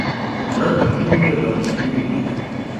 Праўда, пакуль не вядома, калі ён выйдзе.